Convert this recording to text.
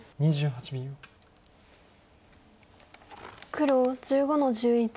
黒１５の十一。